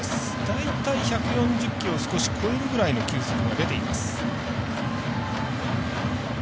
大体１４０キロを少し超えるぐらいの球速が出ています。